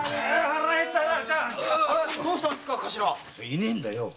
いねぇんだよ。